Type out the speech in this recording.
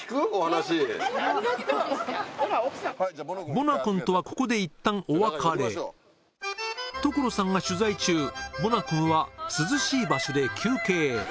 ボナ君とはここでいったんお別れ所さんが取材中ボナ君は涼しい場所で休憩